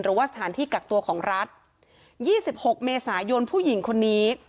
หรือว่าสถานที่กักตัวของรัฐ๒๖เมษายนผู้หญิงคนนี้